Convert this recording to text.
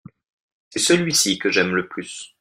C’est celui-ci que j’aime le plus.